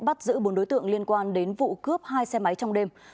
bắt giữ bốn đối tượng liên quan đến vụ cướp hai xe máy trong đêm